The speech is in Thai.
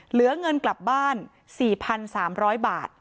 เหลือเงินกลับบ้าน๔๓๐๐บาท